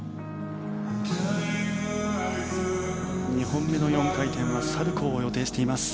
２本目の４回転はサルコウを予定しています。